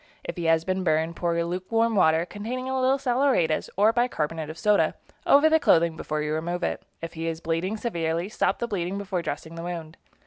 If he has been burned, pour lukewarm water, containing a little saleratus or bicarbonate of soda, over the clothing before you remove it. If he is bleeding severely, stop the bleeding before dressing the wound.